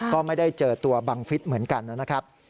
ก็ไม่ได้เจอตัวบังฟิศเหมือนกันนะครับ